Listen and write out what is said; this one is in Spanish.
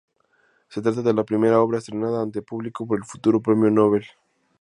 Se trata de la primera obra estrenada ante público por el futuro Premio Nobel.